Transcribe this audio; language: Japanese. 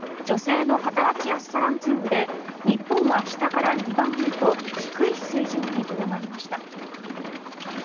女性の働きやすさランキングで日本は下から２番目と低い水準にとどまりました。